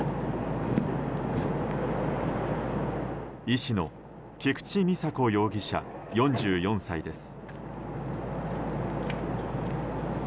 医師の菊池美佐子容疑者４４歳です。